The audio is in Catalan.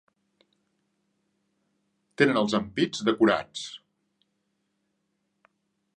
Tenen els ampits decorats.